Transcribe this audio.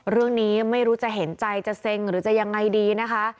เรื่องนี้ไม่รู้จะเห็นใจจะเซ็งหรือจะยังไงดีนะคะ